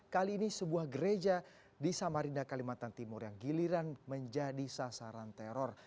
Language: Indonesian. kali ini sebuah gereja di samarinda kalimantan timur yang giliran menjadi sasaran teror